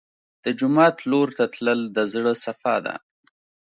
د جومات لور ته تلل د زړه صفا ده.